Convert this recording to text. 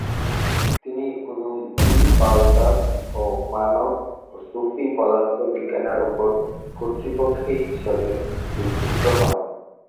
তিনি উলুম-ই-ফালসাফ ও মানক ও সুফি পদার্থবিজ্ঞানের উপর কর্তৃপক্ষ হিসাবে বিবেচিত হন।